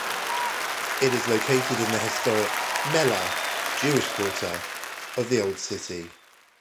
It is located in the historic "Mellah" (Jewish quarter) of the old city.